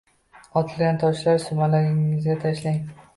Otilgan toshlarni sumalagingizga tashlang.